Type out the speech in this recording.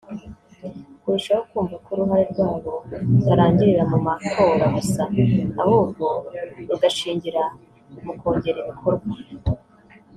kurushaho kumva ko uruhare rwabo rutarangirira mu matora gusa ahubwo rugashingira mu kongera ibikorwa